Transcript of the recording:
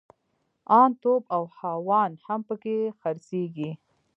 ان توپ او هاوان هم پکښې خرڅېږي.